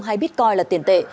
hay bitcoin là tiền tệ